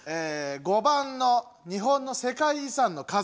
５番の「日本の世界遺産の数」。